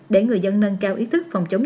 để người dân nâng cao ý thức phòng chống